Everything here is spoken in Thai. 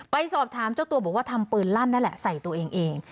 ไปสอบถามเจ้าตัวบอกว่าทำปืนลั่นนั่นแหละใส่ตัวเองเอง